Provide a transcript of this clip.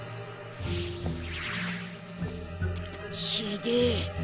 ひでえ。